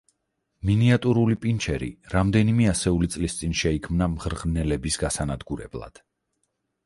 მინიატურული პინჩერი რამდენიმე ასეული წლის წინ შეიქმნა მღრღნელების გასანადგურებლად.